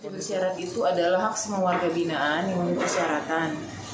bersyarat itu adalah hak semua warga binaan yang memenuhi persyaratan